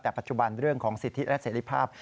แต่ปัจจุบันเรื่องของสิทธิและเสรีภาพ